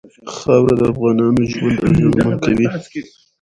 خاوره د افغانانو ژوند اغېزمن کوي.